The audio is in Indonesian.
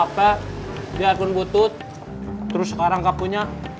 biasa punya hp diakun butut terus sekarang gak punya